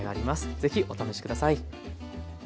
ぜひお試し下さい。